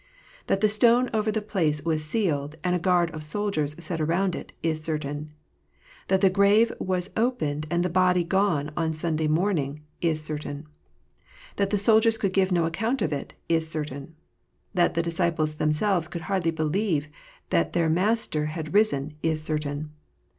That the stone over the place was sealed, and a guard of soldiers set around it, is certain. That the grave was opened and the body gone on Sunday morning, is certain. That the soldiers could give no account of it, is certain. That the disciples themselves could hardly believe that their Master had risen, is certain.